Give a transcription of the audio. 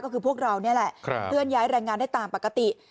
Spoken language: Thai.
ก็คือพวกเรานี่แหละเคลื่อนย้ายแรงงานได้ตามปกติ